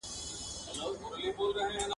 ما ویل چي به ډوبيږي جاله وان او جاله دواړه ..